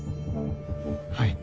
はい。